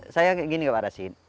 saya gini ke pak rasid